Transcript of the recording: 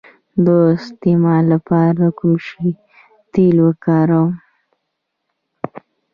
د استما لپاره د کوم شي تېل وکاروم؟